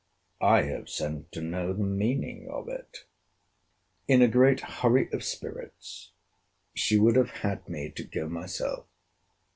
I have sent to know the meaning of it. In a great hurry of spirits, she would have had me to go myself.